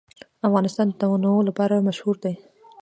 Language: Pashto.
افغانستان د تنوع لپاره مشهور دی.